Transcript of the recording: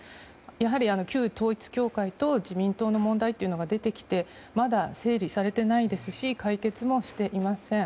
やはり、旧統一教会と自民党の問題というのが出てきてまだ整理されていないですし解決もしていません。